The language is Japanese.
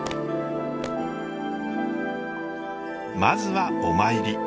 まずはお参り。